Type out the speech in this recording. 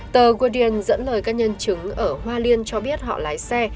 tờ wodian dẫn lời các nhân chứng ở hoa liên cho biết họ lái xe